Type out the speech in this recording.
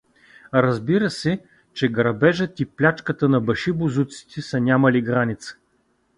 Разбира се, че грабежът и плячката на башибозуците са нямали граница.